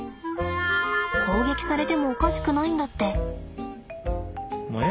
攻撃されてもおかしくないんだって。